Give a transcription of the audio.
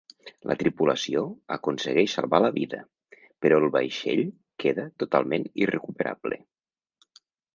La tripulació aconsegueix salvar la vida, però el vaixell queda totalment irrecuperable.